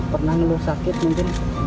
pernah melurus sakit mungkin